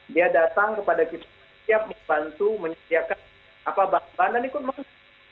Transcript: dia datang kepada kita setiap membantu menyediakan apa bahan bahan dan ikut membuat